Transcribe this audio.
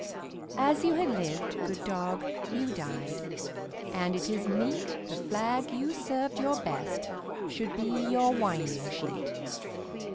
As you had lived, good dog, you died, And it is meet The flag you served your best should be Your winding sheet.